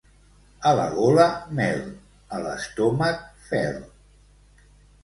A la gola, mel; a l'estómac, fel.